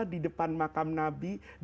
di depan makam nabi